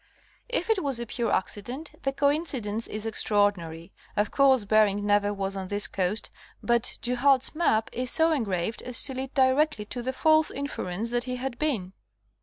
If it was a pure accident, the coincidence is extraordinary. Of course Bering never was on this coast but Du Halde's map is so engraved as to lead directly to the false inference that he had been.